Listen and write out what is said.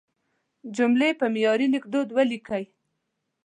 جملې په معیاري لیکدود ولیکئ.